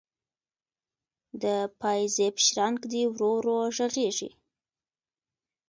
د پایزیب شرنګ دی ورو ورو ږغیږې